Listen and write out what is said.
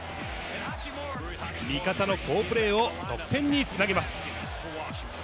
味方の好プレーを得点につなげます。